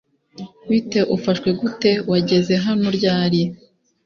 bite ufashwe gute wageze hano ryari?